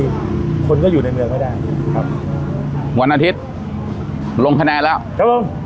คนก็อยู่ในเมืองไม่ได้ครับวันอาทิตย์ลงคะแนนแล้วครับผม